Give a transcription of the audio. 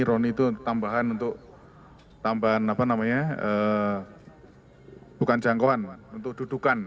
roni itu tambahan untuk tambahan apa namanya bukan jangkauan untuk dudukan